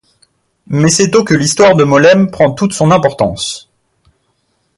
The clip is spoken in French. Mais c'est au que l'histoire de Molesme prend toute son importance.